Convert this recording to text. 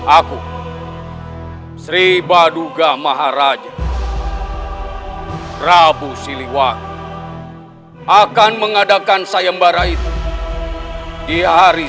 aku sri baduga maharaja rabu siliwak akan mengadakan sayembara itu di hari